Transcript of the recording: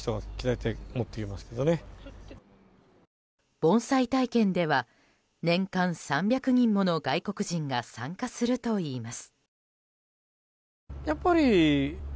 盆栽体験では年間３００人もの外国人が参加するといいます。